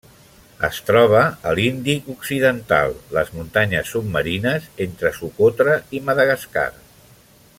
Es troba a l'Índic occidental: les muntanyes submarines entre Socotra i Madagascar.